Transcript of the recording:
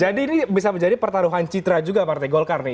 jadi ini bisa menjadi pertaruhan citra juga pak arti golkar nih